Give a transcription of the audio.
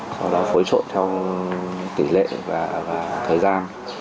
sau đó phối trộn theo tỷ lệ và thời gian